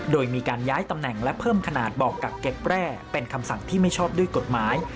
โดยมีการย้ายตำแหน่งและเพิ่มขนาดบอกกักเก็บแร่เป็นคำสั่งที่ไม่ชอบด้วยกฎหมาย